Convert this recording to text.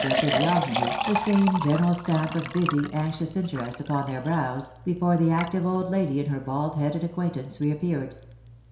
their physiognomy, the same general stamp of busy, anxious interest upon their brows, before the active old lady and her bald headed acquaintance reappeared.